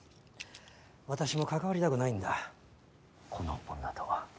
私も関わりたくないんだこの女と。